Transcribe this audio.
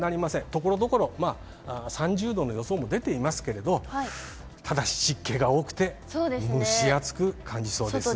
ところどころ、３０度の予想も出ていますけれども、ただ、湿気が多くて、蒸し暑く感じそうです。